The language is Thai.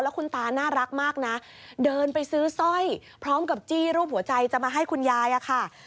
คุณตาน่ารักมากนะเดินไปซื้อสร้อยพร้อมกับจี้รูปหัวใจจะมาให้คุณยายอะค่ะ